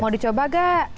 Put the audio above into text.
mau dicoba gak